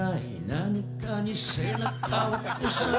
何かに背中を押され」